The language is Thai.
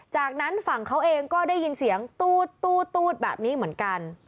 จากนั้นฝั่งเขาเองก็ได้ยินเสียงตูดแบบนี้เหมือนกัน